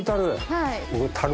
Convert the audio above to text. はい。